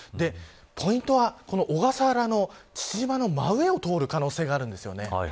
ポイントは、この小笠原の父島の真上を通る可能性があるんです。